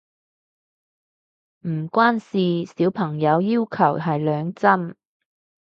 唔關事，小朋友要求係兩針